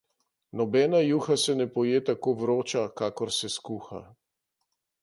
Nobena juha se ne poje tako vroča, kakor se skuha.